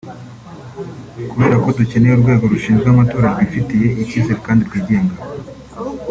Kubera ko dukeneye urwego rushinzwe amatora rwifitiye icyizere kandi rwigenga